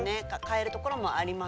買えるところもあります。